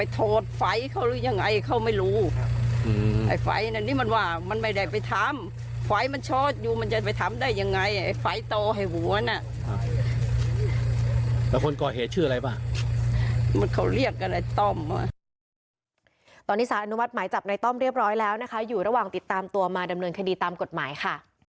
ตอนนี้สารอนุมัติหมายจับในต้อมเรียบร้อยแล้วนะคะอยู่ระหว่างติดตามตัวมาดำเนินคดีตามกฎหมายค่ะ